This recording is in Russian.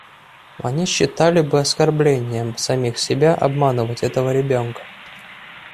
Они считали бы оскорблением самих себя обманывать этого ребенка.